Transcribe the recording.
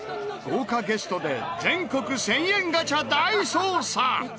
豪華ゲストで全国１０００円ガチャ大捜査！